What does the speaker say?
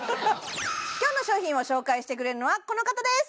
今日の商品を紹介してくれるのはこの方です！